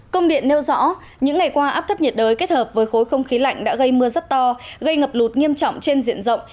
công điện nêu rõ những ngày qua áp thấp nhiệt đới kết hợp với khối không khí lạnh đã gây mưa rất to gây ngập lụt nghiêm trọng trên diện rộng